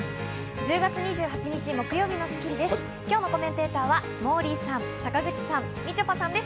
１０月２８日、木曜日の『スッキリ』です。